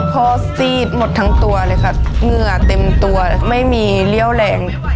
ซีดหมดทั้งตัวเลยค่ะเหงื่อเต็มตัวไม่มีเรี่ยวแรง